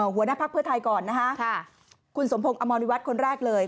หัวหน้าภักดิ์เพื่อไทยก่อนนะคะคุณสมพงศ์อมรวิวัตรคนแรกเลย